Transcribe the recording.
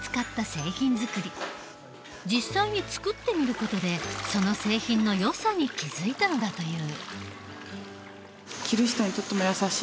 実際に作ってみる事でその製品のよさに気付いたのだという。